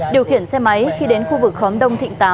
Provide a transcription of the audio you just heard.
điều khiển xe máy khi đến khu vực khóm đông thịnh tám